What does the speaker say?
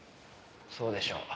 そうでしょう。